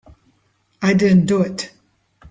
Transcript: I didn't do it.